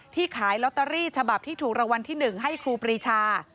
ขายลอตเตอรี่ฉบับที่ถูกรางวัลที่๑ให้ครูปรีชา